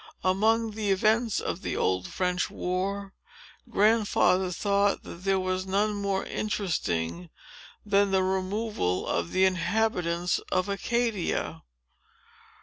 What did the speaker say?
Among all the events of the Old French War, Grandfather thought that there was none more interesting than the removal of the inhabitants of Acadia.